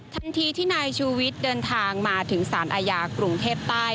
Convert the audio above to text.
ทันทีที่นายชูวิทย์เดินทางมาถึงสารอาญากรุงเทพใต้